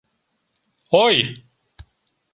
— Ой!